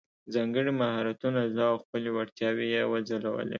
ځانګړي مهارتونه زده او خپلې وړتیاوې یې وځلولې.